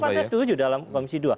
partai setuju dalam komisi dua